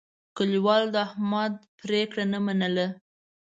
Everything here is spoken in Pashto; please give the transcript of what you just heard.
کلیوالو د احمد پرېکړه نه منله.